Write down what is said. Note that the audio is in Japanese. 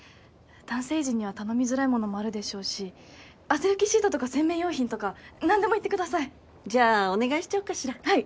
男性陣には頼みづらい物もあるでしょうし汗ふきシートとか洗面用品とか何でも言ってくださいじゃあお願いしちゃおうかしらはい！